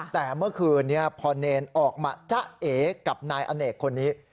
แต่เมื่อคืนนี้พอเนรออกมาจ๊ะเอกับนายอเนกคนนี้